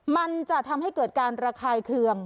มันจะทำให้เกิดการระคายเคือง